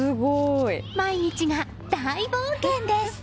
毎日が大冒険です。